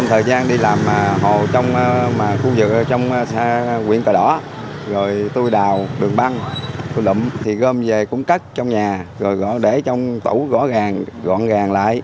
tôi ăn tôi đụng thì gom về cũng cắt trong nhà rồi để trong tủ gõ gàng gọn gàng lại